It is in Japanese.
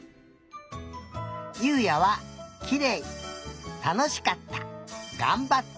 ゆうやは「きれい」「たのしかった」「がんばった」